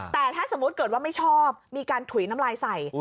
แต่ถ้าสมมุติเกิดว่าไม่ชอบมีการถุยน้ำลายใส่